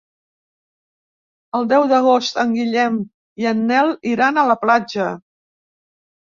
El deu d'agost en Guillem i en Nel iran a la platja.